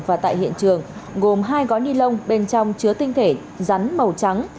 và tại hiện trường gồm hai gói ni lông bên trong chứa tinh thể rắn màu trắng